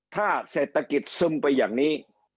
ถ้าเศรษฐกิจซึมไปอย่างนี้